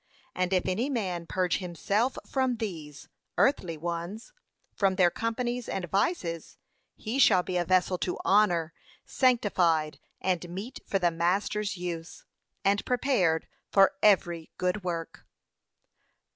And if any man purge himself from these [earthly ones], from their companies and vices, he shall be a vessel to honour, sanctified, and meet for the masters use, and prepared for every good work.'